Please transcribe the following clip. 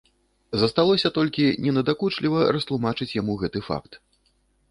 Засталося толькі ненадакучліва растлумачыць яму гэты факт.